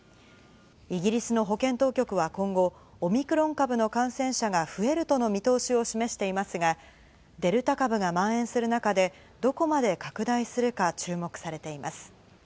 イギリスの保健当局は今後、オミクロン株の感染者が増えるとの見通しを示していますが、デルタ株がまん延する中で、どこまで拡大するか注目されています。